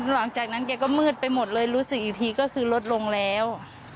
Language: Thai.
หลังจากนั้นแกก็มืดไปหมดเลยรู้สึกอีกทีก็คือลดลงแล้ว